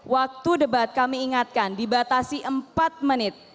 waktu debat kami ingatkan dibatasi empat menit